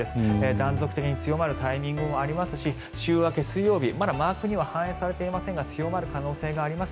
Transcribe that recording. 断続的に強まるタイミングもありますし週明け水曜日、まだマークには反映されていませんが強まる可能性があります。